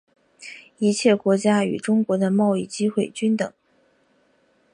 一切国家与中国的贸易机会均等。